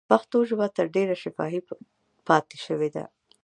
پښتو ژبه تر ډېره شفاهي پاتې شوې ده.